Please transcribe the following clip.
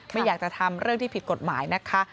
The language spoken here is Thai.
ไม่อยากจะทำเรื่องที่ผิดกฎหมายนะคะ